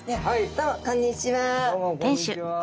どうもこんにちは。